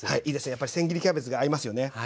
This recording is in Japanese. やっぱりせん切りキャベツが合いますよね。